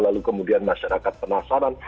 lalu kemudian masyarakat penasaran